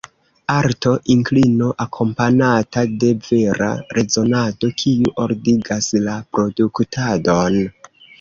Arto: inklino akompanata de vera rezonado kiu ordigas la produktadon.